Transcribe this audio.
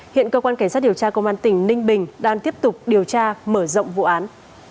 hiện cơ quan cảnh sát điều tra công an tỉnh ninh bình đang tiếp tục điều tra mở rộng vụ án